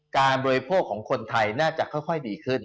บริโภคของคนไทยน่าจะค่อยดีขึ้น